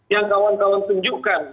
yang kawan kawan tunjukkan